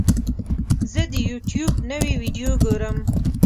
زه د یوټیوب نوې ویډیو ګورم.